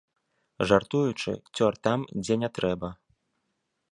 Жартуючы, цёр там, дзе не трэба.